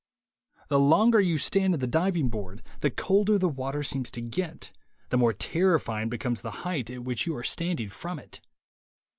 The longer you stand on the diving board the colder the water seems to get, the more terrifying becomes the height at which you are 134 THE WAY TO WILL POWER standing from it.